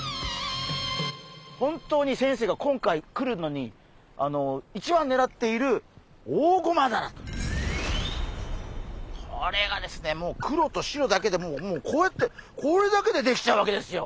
本当に先生が今回来るのにこれがですねもう黒と白だけでもうこうやってこれだけでできちゃうわけですよ。